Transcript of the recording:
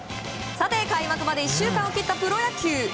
開幕まで１週間を切ったプロ野球。